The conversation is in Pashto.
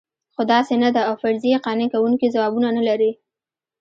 خو داسې نه ده او فرضیې قانع کوونکي ځوابونه نه لري.